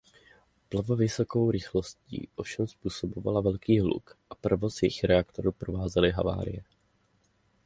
Plavba vysokou rychlostí ovšem způsobovala velký hluk a provoz jejich reaktoru provázely havárie.